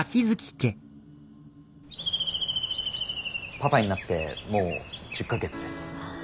パパになってもう１０か月です。